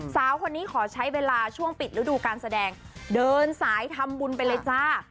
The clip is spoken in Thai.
สาวคนนี้ขอใช้เวลาช่วงปิดฤดูการแสดงเดินสายทำบุญไปเลยจ้า